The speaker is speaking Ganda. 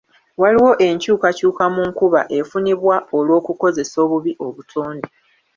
Waliwo enkyukakyuka mu nkuba efunibwa olw'okukozesa obubi obutonde.